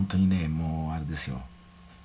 もうあれですよ。